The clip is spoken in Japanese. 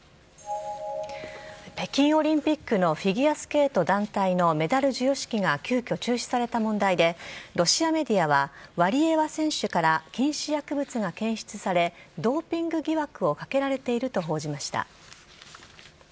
北京オリンピックのフィギュアスケート団体のメダル授与式が急遽、中止された問題でロシアメディアはワリエワ選手から禁止薬物が検出されドーピング疑惑をかけられていると報じました。